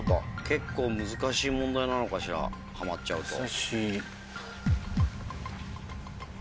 結構難しい問題なのかしらはまっちゃうと。